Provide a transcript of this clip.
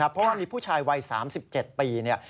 เพราะว่ามีผู้ชายวัย๓๗ปี